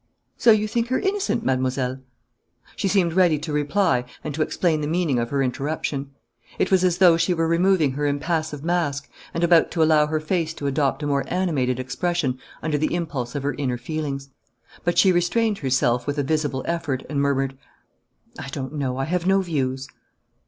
"So you think her innocent, Mademoiselle?" She seemed ready to reply and to explain the meaning of her interruption. It was as though she were removing her impassive mask and about to allow her face to adopt a more animated expression under the impulse of her inner feelings. But she restrained herself with a visible effort, and murmured: "I don't know. I have no views."